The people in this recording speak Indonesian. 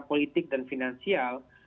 politik dan finansial